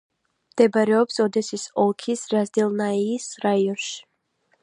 მდებარეობს ოდესის ოლქის რაზდელნაიის რაიონში.